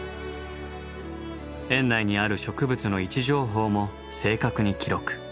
園内にある植物の位置情報も正確に記録。